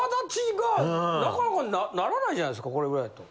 なかなかならないんじゃないですかこれぐらいやと。